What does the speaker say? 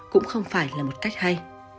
cũng không phải là một cách hay